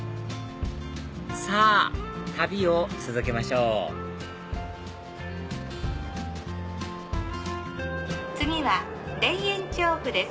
さぁ旅を続けましょう次は田園調布です。